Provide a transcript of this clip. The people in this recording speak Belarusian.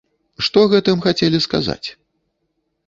Што гэтым хацелі сказаць?